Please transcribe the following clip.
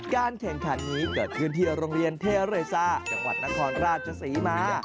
การแข่งขันนี้เกิดขึ้นที่โรงเรียนเทเรซาจังหวัดนครราชศรีมา